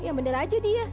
ya bener aja dia